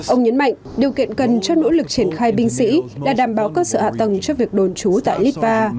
ông nhấn mạnh điều kiện cần cho nỗ lực triển khai binh sĩ đã đảm bảo các sự hạ tầng cho việc đồn trú tại litva